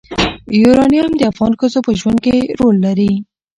یورانیم د افغان ښځو په ژوند کې رول لري.